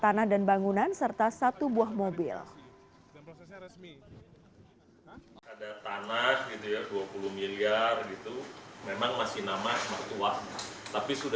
tanah dan bangunan serta satu buah mobil